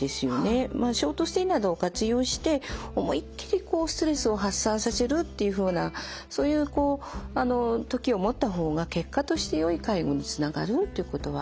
ショートステイなどを活用して思いっきりストレスを発散させるっていうふうなそういう時を持った方が結果としてよい介護につながるっていうことはあると思います。